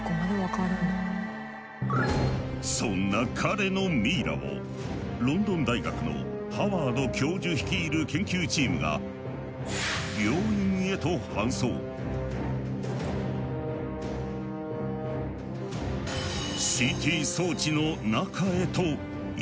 そんな彼のミイラをロンドン大学のハワード教授率いる研究チームがＣＴ装置の中へと入れてしまった。